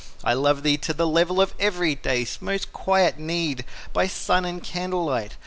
I love thee to the level of everyday's Most quiet need, by sun and candlelight.